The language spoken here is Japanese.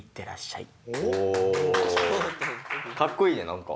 かっこいいね何か。